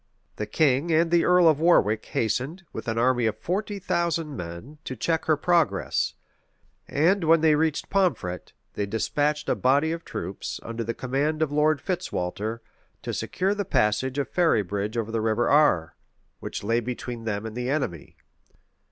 The king and the earl of Warwick hastened, with an army of forty thousand men, to check her progress; and when they reached Pomfret, they despatched a body of troops, under the command of Lord Fitzwalter, to secure the passage of Ferrybridge over the River Are, which lay between them and the enemy.